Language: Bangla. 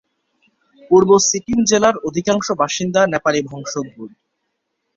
পূর্ব সিকিম জেলার অধিকাংশ বাসিন্দা নেপালি বংশোদ্ভুত।